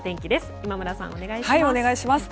今村さん、お願いします。